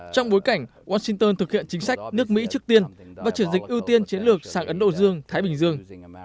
trong bối cảnh washington thực hiện chính sách nước mỹ trước tiên và chuyển dịch ưu tiên chiến lược sang ấn độ dương thái bình dương